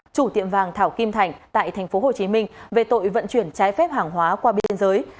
chủ tiệm vàng thảo kim thành tại tp hcm về tội vận chuyển trái phép hàng hóa qua biên giới